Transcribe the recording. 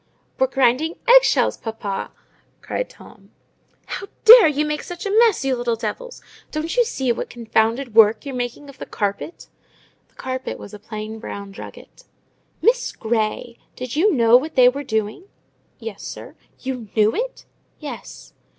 "We're grinding egg shells, papa!" cried Tom. "How dare you make such a mess, you little devils? Don't you see what confounded work you're making of the carpet?" (the carpet was a plain brown drugget). "Miss Grey, did you know what they were doing?" "Yes, sir." "You knew it?" "Yes."